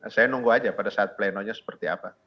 saya nunggu aja pada saat plenonya seperti apa